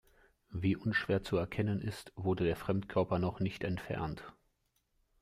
Wie unschwer zu erkennen ist, wurde der Fremdkörper noch nicht entfernt.